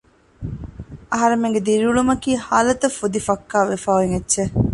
އަހަރެމެންގެ ދިރިއުޅުމަކީ ހާލަތަށް ފުދި ފައްކާވެފައި އޮތް އެއްޗެއް